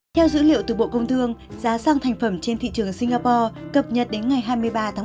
theo dữ liệu từ bộ công thương giá xăng thành phẩm trên thị trường singapore cập nhật đến ngày hai mươi ba tháng một